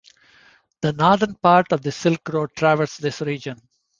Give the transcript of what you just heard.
The northern part of the silk road traversed this region.